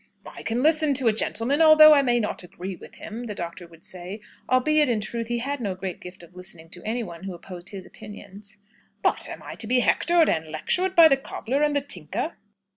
"I can listen to a gentleman, although I may not agree with him," the Doctor would say (albeit, in truth, he had no great gift of listening to anyone who opposed his opinions), "but am I to be hectored and lectured by the cobbler and the tinker?"